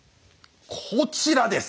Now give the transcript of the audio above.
こちらです。